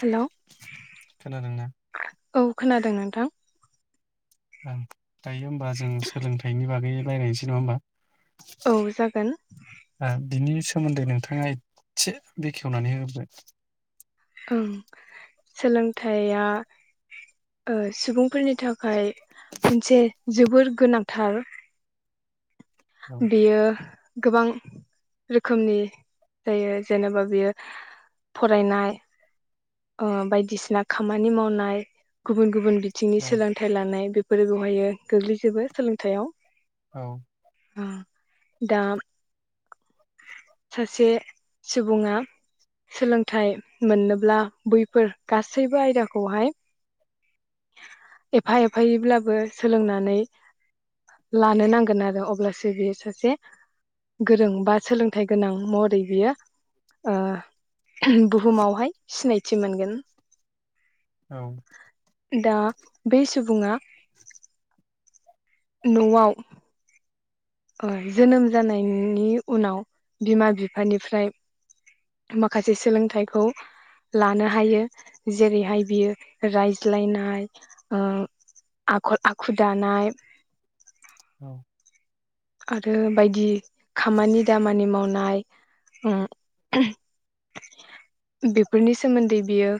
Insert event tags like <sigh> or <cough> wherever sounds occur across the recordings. Hello - खोनादोंना - औ खोनादों नोंथां, ओं दायो होमबा जों सोलोंथाइनि बागै रालायसै नङा होमबा औ जागोन, ओ बिनि सोमोन्दै नोंथाङा एसे बेखेवनानै होग्रोदो, ओं सोलोंथाइया ओ सुबुंफोरनि थाखाय मोनसे जोबोर गोनांथार, औ बेयो गोबां रोखोमनि जायो जेनेबा बेयो फरायनाय ओ बायदिसिना खामानि मावनाय गुबुन गुबुन बिथिंनि औ सोलोंथाइ लानाय बे फोर बेवहायो गोग्लैजोबो सोलोंथाइयाव औ ओ दा सासे सुबुङा सोलोंथाइ मोननोब्ला बैफोर गासैबो आयदाखौहाय एफा एफायैब्लाबो सोलोंनानै लानो नांगोन आरो अब अब्लासो बियो सासे गोरों बा सोलोंथाइ गोनां महरै बियो ओ बुहुमावहाय सिनायथि मोनगोन। औ दा बे सुबुंङा न'आव ओ जोनोम जानायनि उनाव बिमा बिफानिफ्राय माखासे सोलोंथाइखौ लानो हायो जेरैहाय बियो रायज्लायनाय ओ आखल आखु दानाय औ आरो बायदि खामानि दामानि मावनाय उम बेफोरनि सोमोन्दै बियो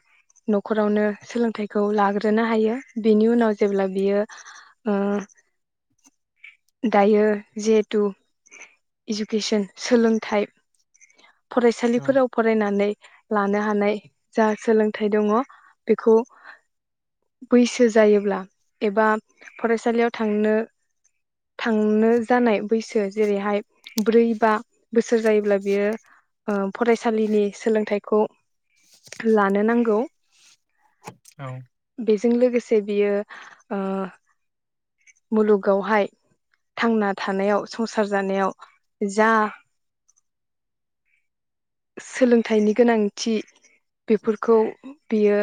न'खरावनो सोलोंथाइखौ लाग्रोनो हायो बेनि उनाव जेब्ला बियो ओ दायो जिहेथु इजुकेसन सोलोंथाइ फरायसालिफोराव फरायनानै लानो हानाय जा सोलोंथाइ दङ' बेखौ बैसो जायोब्ला एबा फरायसालियाव थांनो थांनो जानाय बैसो जेरैहाय ब्रै बा बोसोर जायोब्ला बियो ओ फरायसालिनि सोलोंथाइखौ लानो नांगौ। औ बेजों लोगो से बियो ओ मुलुगावहाय थांना थानायाव संसार जानायाव जा सोलोंथाइनि गोनांथि बेफोरखौ बियो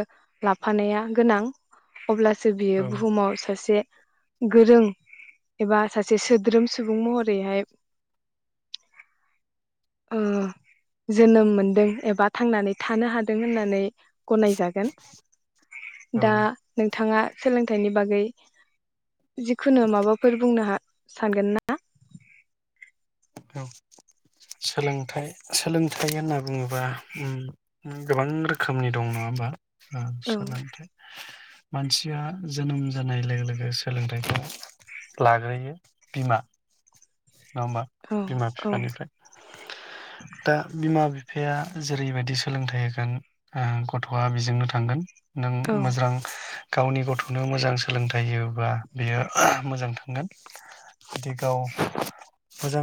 लाफानाया गोनां। अब्लासो बियो बुहुमाव सासे गोरों एबा सासे सोद्रोम सुबुं महरैहाय ओ जोनोम मोनदों एबा थांनानै थानो हादों होननानै गनायजागोन। औ दा नोंथाङा सोलों थायनि बागै जिखुनु माबाफोर बुंनो हा सानगोन ना। औ सोलोंथाइ सोलोंथाइ होनना बुङोबा उम उम रोखोमनि दं नङा होमबा। ओ औ सोलोंथाइ मानसिया जोनोम जानाय लोगो लोगो सोलोंथायाइखौ लाग्रोयो बिमा नङा होमबा। औ बिमा औ बिफानिफ्राय दा बिमा बिफाया जेरैबायदि सोलोंथाइ होगोन ओ गथ'आ बेजोंनो थांगोन। नों औ मोजां गावनि गथनो मोजां सोलोंथाइ थाइ होयोबा बियो मोजां ओंगोन हाथिगाव मोजां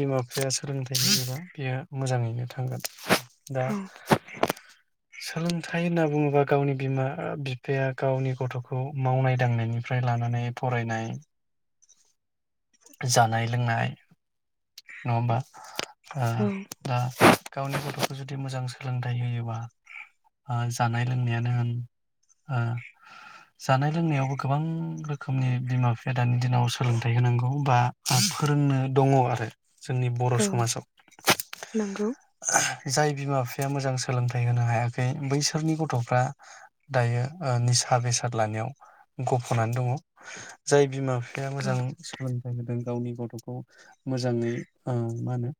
बिमा बिफाया सोलोंथाइ होयोब्ला बेयो मोजाङैनो थांगोन। दा औ सोलोंथाइ होनना बुङोबा गावनि बिमा बिफाया गावनि गथखौ मावनाय दांनायनिफ्राय लानानै फरायनाय जानाय लोंनाय नङाहोमबा आ औ आ गावनि गथखौ जुदि मोजां सोलोंथाइ होयोबा ओ जानाय लोंनायानो होन ओ जानाय लोंनायावबो गोबां रोखोमनि बिमा बिफाया दानि दिनाव सोलोंथाइ होनांगौ बा फोरोंनो दङआरो जोंनि बर' औ समाजाव नंगौ जाय बिमा बिफाया मोजां सोलोंथाइ होनो हायाखै बैसोरनि गथफ्रा दायो ओ निसा बेसाद लानायाव गफनानै दङ जाय बिमा बिफ फाया मोजां औ सोलों होबोदों गावनि गथखौ मोजाङै ओ मा होनो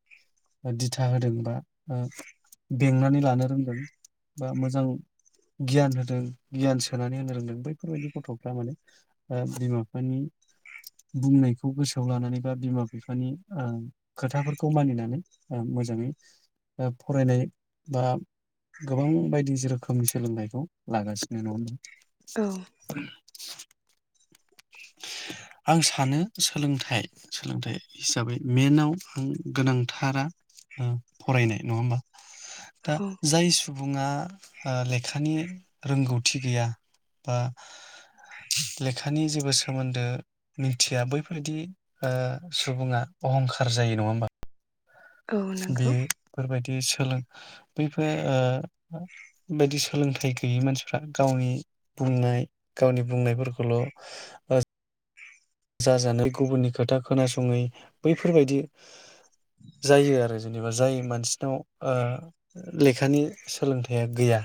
दिथा होदों बा ओ बेंनानै लानो रोंदों बा मोजां गियान होदों गियान सोनानै होनो रोंदों बैफोरबायदि गथफ्रा माने ओ बिमा बिफानि बुंनायखौ गोसोआव लानानै बा बिमा बिफानि ओ खोथाफोरखौ मानिनानै ओ मोजाङै फरायनाय बा गोबां बायदि जि रोखोमनि सोलोंथाइखौ लागासिनो नङाहोनबा औ <inaudible> आं सानो सोलोंथाइ सोलोंथाइ हिसाबै मेनआव आं गोनांथारा ओ फरायनाय नङा होमबा दा औ जाय सु सुबुङा ओ लेखानि रोंगौथि गैया बा लेखानि जेबो सो सोमोन्दो मिथिया बै बायदि ओ सुबुङा अहंखार जायो नङा होमबा औ बे नंगौ फोर बायदि सोलों बैफोर ओ बायदि सोलोंथाइ गैयि मानसिफ्रा गावनि बुंनाय गावनि बुंनाय फोरखौल ओ जाजानो गुबुननि खोथा खोनासङै बैफोरबायदि जायो आरो जेनेबा जाय मानसिनाव ओ लेखानि सोलोंथाइया गैया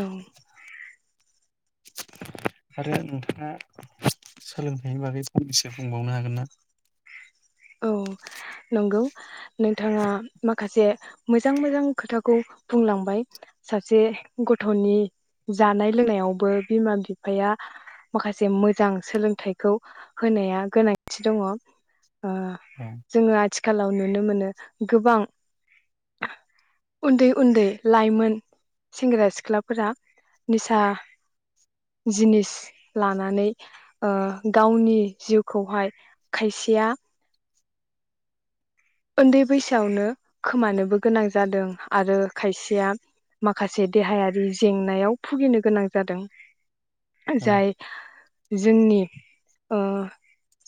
औ आरो नोंथाङा सोलोंथाइनि बागै फंनैसो बुंबावनो हागोन ना? औ नंगौ नोंथाङा माखासे मोजां मोजां खोथाखौ बुंलांबाय सासे गथनि जानाय लोंनायावबो बिमा बिफाया माखासे मोजां सोलोंथाइखौ होनाया गोनांथि दङ ओ औ जोङो आथिखालाव नुनो मोनो गोबां उन्दै उन्दै लाइमोन सेंग्रा सिख्लाफोरा निसा जिनिस लानानै ओ गावनि जिउखौहाय खायसेया उन्दै बैसोआवनो खोमानोबो गोनां जादों आरो खायसेया माखासे देहायारि जेंनायाव भुगिनो गोनां जादों औ जाय जोंनि ओ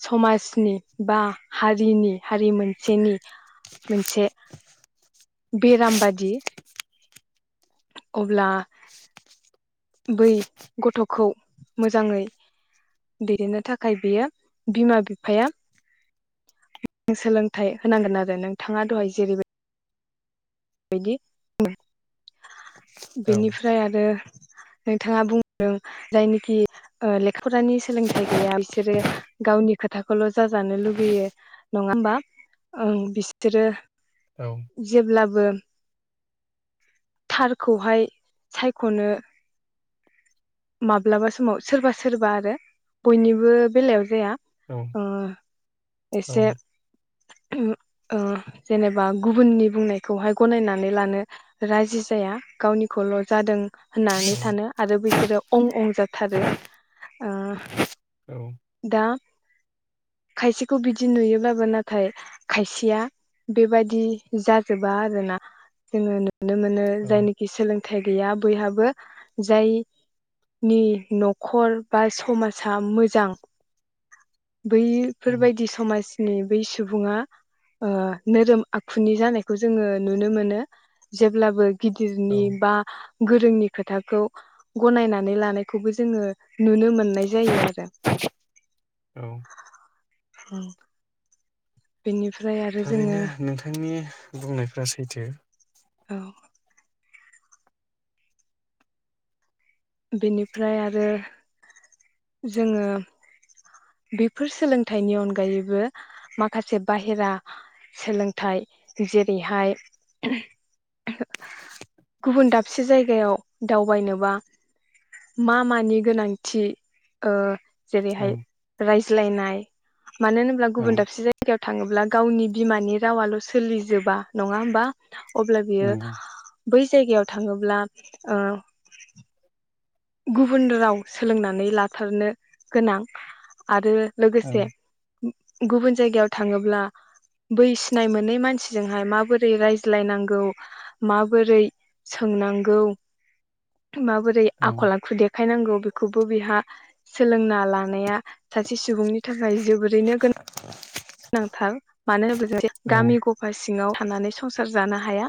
समाजनि बा हारिनि हारि मोन सेनि मोनसे बेराम बादि अब्ला बै गथखौ मोजाङै दैदेननो थाखाय बियो बिमा बिफाया सोलोंथाइ होनांगोन आरो नोंथाङा दहाय जेरैबाय बायदि औ बेनिफ्राय आरो नोंथाङा बुंदों जायनोखि ओ लेखा फरानि सोलोंथाइ गैया बिसोरो गावनि खोथाखौल जाजानो लुगैयो नङा होनबा ओं बिसोरो औ जेब्ला बो थारखौहाय सायखनो माब्लाबा समाव सोरबा सोरबा आरो बयनिबो बेलायाव जाया। औ ओ औ एसे ओ जेनेबा गुबुननि बुंनाय खौहाय गनायनानै लानो राजि जाया गावनिखौल जादों होननानै सानो आरो बैसोरो अं अं जाथारो। ओ दा खायसेखौ बिदि नुयोब्लाबो नाथाय खायसेया बेबादि जाजोबा आरोना जोङो नुनो मोनो औ जायनिखि सोलोंथाइ गैया बैहाबो जाय नि नखर बा समासा मोजां औ बैफोरबायदि समाज बे बै सुबुङा ओ नोरोम आखुनि जानायखौ जोङो नुनो मोनो जेब्लाबो गिदिरनि बा गोरोंनि खोथाखौ गनायनानै नै लानायखौबो जोङो नुनों नोननाय जायो आरो औ बिनि थारैनो नोंथांनि बुंनायफ्रा सैथो। औ बेनिफ्राय आरो जोङो बेफोर सोलोंथाइनि अनगायैबो माखासे बाहेरा सोलोंथाइ जेरैहाय गुबुन दाबसे जायगायाव दावबायनोबा मा मानि गोनांथि ओ औ जेरैहाय राइ ज्लायनाय। मानो होनब्ला औ गुबुन दाबसे जायगायाव थाङोब्ला गावनि बिमानि रावाल' सोलिजोबा नङा होमबा? अब्ला बियो नंगौ बै जायगायाव थाङोब्ला ओ गुबुन राव सोलोंनानै लाथारनो गोनां आरो औ लोगोसे गुबुन जायगायाव थाङोब्ला बै सिनाय मोनै मानसिजोंहाय माबोरै रायज्लायनांगौ माबोरै सोंनांगौ माबोरै औ आखल आखु दे खायनांगौ बेखौबो बेहा सोलोंना लानाया सासे सुबुंनि थाखाय जोबोरैनो गो गोनांथार मानो होनोब्ला जों औ गामि गफासि सिङाव थानानै संसार जानो हा हाया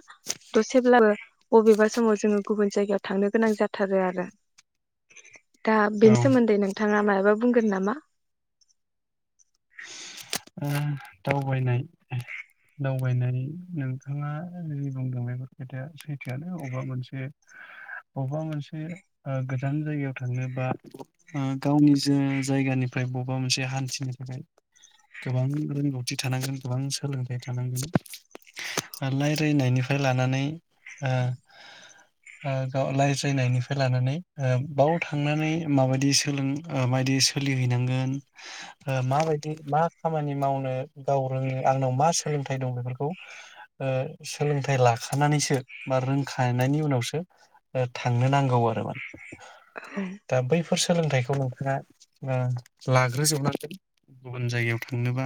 दसेब्लाबो बबेबा समाव जोङो गुबुन जायगायाव थांनो गोनां जाथारो आरो <inaudible> दा बेनि सोमोन्दै नोंथाङा माब माबा बुंगोन नामा? दावबायनाय दावबायनाय नोंथाङा जि बुंदों बेफोर खोथाया सैथोआनो बबेबा मोनसे बबेबा मोनसे गोजान जायगायाव थांनो बा गावनि ज जायगानिफ्राय बबेबा मोनसे हान्थिनो थाखाय गोबां रोंगौथि थानांगोन गोबां सोलोंथाइ थानांगोन रायजायनायनिफ्राय लानानै रायज्लायनायनिफ्राय लानानै बाव थांनानै माबायदि सोलों माबायदि सोलिहैनांगोन माबायदि मा खामानि मावनो गाव रोङो आंनाव मा सोलोंथाइ दं बेफोरखौ सोलोंथाइ लाखानानैसो बा रोंखानायनि उनावसो थांनो नांगौ आरो मान <inaudible> बेफोर सोलोंथाइखौ नोंथाङा ओ लाग्रोजोबनांगोन। गुबुन जायगायाव थांनोबा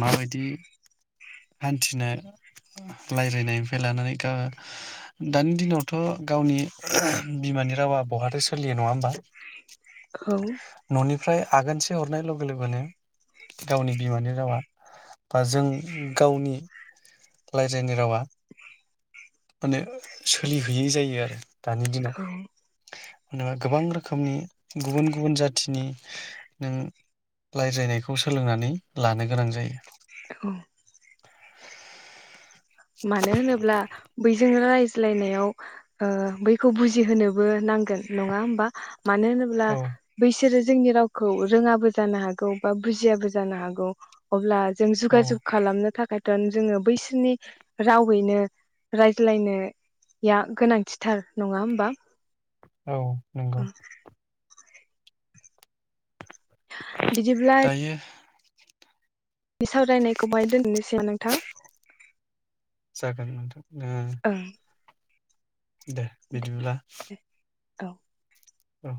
माबायदि हान्थिनो रायज्लायनायनिफ्राय लानानै दानि दिनावथ गावनि बिमानि रावा बहाथो सोलियो नङा होमबा? औ ओमफ्राय आगनसे हरनाय ल लोगो लोगोनो गावनि बिमानि रावा बा जों गावनि रायज्लायनाय रावा माने सोलिहैयै जायो आरो दानि दिनाव औ मबा गोबां रोखोमनि गुबुन गुबुन जाथिनि नों रायज्लायनायखौ सोलोंनानै लानो गोनां जायो। औ माने होनबोब्ला बैजों रायज्लायनायाव ओ बैखौ बुजिहोनोबो नांगोन नङा होमबा? मानो होनोब्ला औ बैसोरो जोंनि रावखौ रोङाबो जानो हागौ बा बुजियाबो जानो हागौ अब्ला जों औ जुगाजुग खालामनो थाखाय दान जोङो बैसोरनि रावैनो रायज्लायनाया गोनांथिथार नङा होमबा? औ नंगौ। बिदिब्ला दायो बे सावरायनायखौ बाहाय दोननोसै नोंथां जाखोन नोंथां ओम ओं दे बिदिब्ला दे औ औ